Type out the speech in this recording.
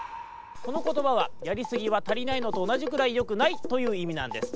このことばはやりすぎはたりないのとおなじぐらいよくないといういみなんです。